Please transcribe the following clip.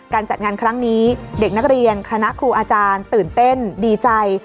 จัดงานครั้งนี้เด็กนักเรียนคณะครูอาจารย์ตื่นเต้นดีใจ